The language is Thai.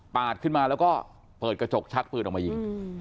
ปาดขึ้นมาแล้วก็เปิดกระจกชัดปืนขึ้นมายิง